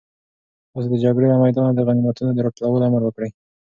تاسو د جګړې له میدانه د غنیمتونو د راټولولو امر وکړئ.